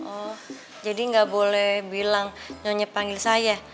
oh jadi nggak boleh bilang nyonya panggil saya